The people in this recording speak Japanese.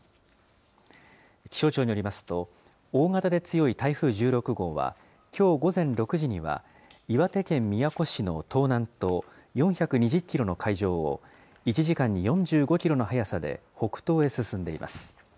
気象庁によりますと、大型で強い台風１６号は、きょう午前６時には岩手県宮古市の東南東４２０キロの海上を、１時間に４５キロの速さで北東へ進んでいます。